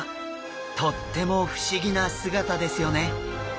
とっても不思議な姿ですよね。